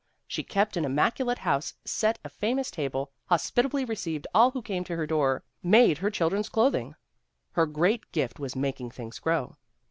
She kept an immaculate house, set a famous table, hospitably received all who came to her door, made her children's clothing. Her great gift was making things grow.